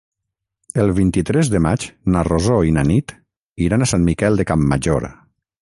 El vint-i-tres de maig na Rosó i na Nit iran a Sant Miquel de Campmajor.